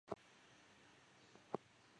李绚人。